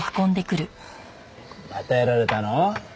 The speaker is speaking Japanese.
またやられたの？